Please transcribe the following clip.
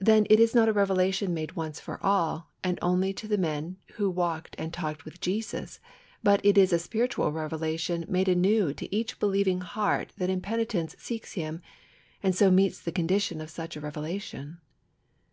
Then it is not a revelation made once for all, and only to the men who walked and talked with Jesus, but it is a spiritual revelation made anew to each believing heart that in penitence seeks Him and so meets the conditions of such a revelation.